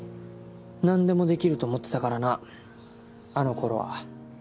何でもできると思ってたからなあの頃は。